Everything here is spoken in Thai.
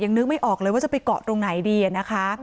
นึกไม่ออกเลยว่าจะไปเกาะตรงไหนดีนะคะ